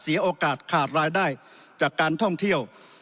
โอกาสขาดรายได้จากการท่องเที่ยว